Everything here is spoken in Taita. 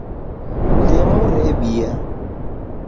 Ndemu rebia.